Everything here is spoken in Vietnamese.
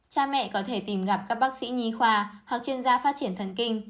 cha mẹ có thể tìm gặp các bác sĩ nhi khoa hoặc chuyên gia phát triển thần kinh